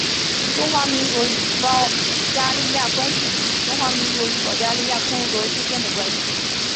中华民国与保加利亚关系是指中华民国与保加利亚共和国之间的关系。